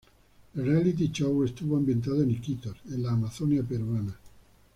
El reality show estuvo ambientado en Iquitos, en la Amazonia peruana.